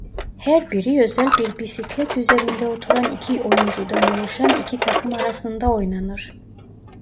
Her biri özel bir bisiklet üzerinde oturan iki oyuncudan oluşan iki takım arasında oynanır.